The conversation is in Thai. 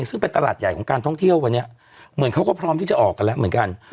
ซึ่งเป็นตลาดใหญ่ของการท่องเที่ยววันนี้เหมือนเขาก็พร้อมที่จะออกกันแล้วเหมือนกัน